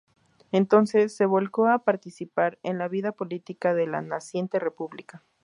Entonces se volcó a participar en la vida política de la naciente República.